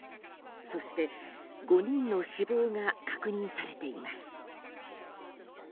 そして、５人の死亡が確認されています。